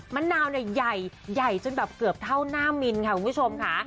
มะนาวเนี่ยใหญ่ใหญ่จนแบบเกือบเท่าหน้ามินค่ะคุณผู้ชมค่ะ